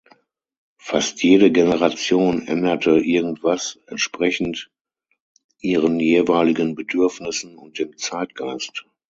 Fast jede Generation änderte irgendetwas, entsprechend ihren jeweiligen Bedürfnissen und dem Zeitgeist.